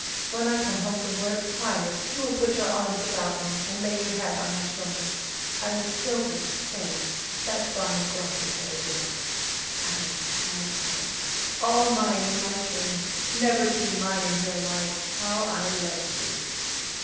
When I come home from work, tired, you will put your arms about me and lay your head on my shoulder. I will stroke it so that bonny, glossy head of yours. Alice, my Alice all mine in my dream never to be mine in real life how I love you!"